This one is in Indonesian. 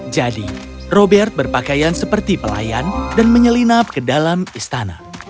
jadi robert berpakaian seperti pelayan dan menyelinap ke dalam istana